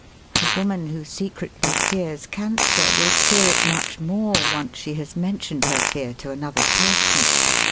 A woman who secretly fears cancer will fear it much more once she has mentioned her fear to another person.